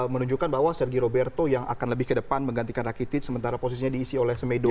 menunjukkan bahwa sergi roberto yang akan lebih ke depan menggantikan rakitic sementara posisinya diisi oleh semedo